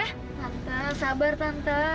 tante sabar tante